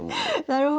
なるほど。